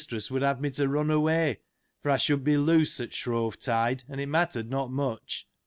S30 would have me to run auay, for I should be loose at Shrovetide, and it mattered not much.